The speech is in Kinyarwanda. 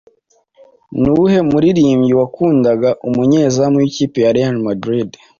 Nuwuhe Muririmbyi wakundagaU munyezamu w'ikipe ya Real Madrid